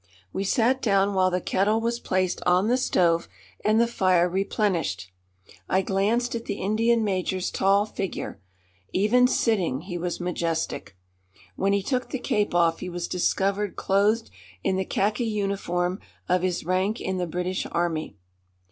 We sat down while the kettle was placed on the stove and the fire replenished. I glanced at the Indian major's tall figure. Even sitting, he was majestic. When he took the cape off he was discovered clothed in the khaki uniform of his rank in the British Army.